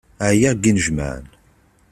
Ɛyiɣ seg yinejmaɛen.